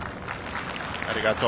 ありがとう。